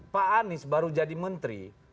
pak anies baru jadi menteri